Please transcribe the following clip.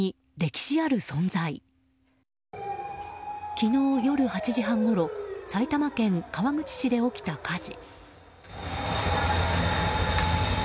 昨日夜８時半ごろ埼玉県川口市で起きた火事。